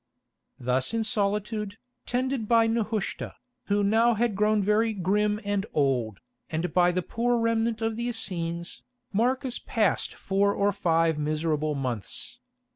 Thus in solitude, tended by Nehushta, who now had grown very grim and old, and by the poor remnant of the Essenes, Marcus passed four or five miserable months.